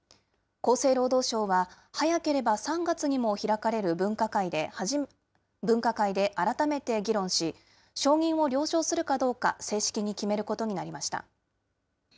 厚生労働省は、早ければ３月にも開かれる分科会で改めて議論し、承認を了承するかどうか正式に決めることになりました。